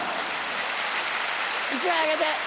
１枚あげて！